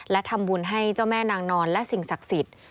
และทำบุญให้เจ้าแม่นางนอนและสิ่งศักดิ์สิทธิ์